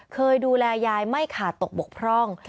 เคยดูแลยายไม่ขาดตกบกพร่อง